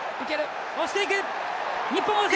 押していく！